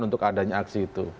saya kira tujuh juta lebih ya